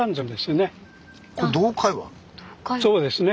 そうですね